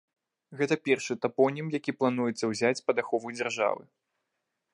Гэта першы тапонім, які плануецца ўзяць пад ахову дзяржавы.